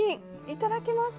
いただきます。